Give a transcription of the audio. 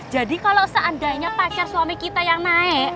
kalau seandainya pacar suami kita yang naik